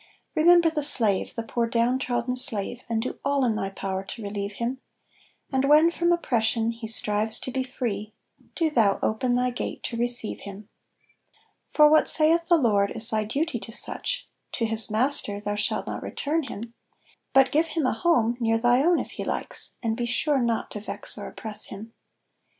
Remember the slave, the poor down trodden slave, And do all in thy power to relieve him; And when from oppression he strives to be free, Do thou open thy gate to receive him. For what saith the Lord is thy duty to such, "To his master thou shalt not return him," But give him a home near thy own if he likes, And be sure not to vex or oppress him.